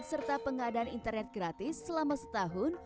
serta pengadaan internet gratis selama setahun